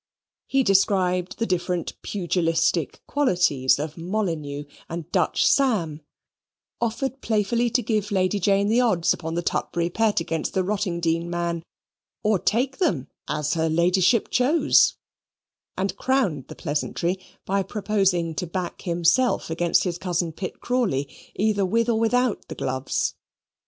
He described the different pugilistic qualities of Molyneux and Dutch Sam, offered playfully to give Lady Jane the odds upon the Tutbury Pet against the Rottingdean man, or take them, as her Ladyship chose: and crowned the pleasantry by proposing to back himself against his cousin Pitt Crawley, either with or without the gloves.